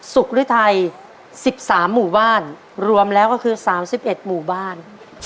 หรือไทย๑๓หมู่บ้านรวมแล้วก็คือ๓๑หมู่บ้าน